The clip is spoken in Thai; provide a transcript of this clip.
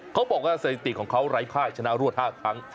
เขาบอกว่าสถิติของเขาไร้ภายชนะรวด๕ครั้ง